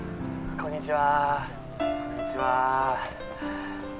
こんにちは。